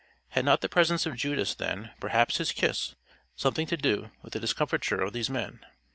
Had not the presence of Judas, then perhaps his kiss something to do with the discomfiture of these men?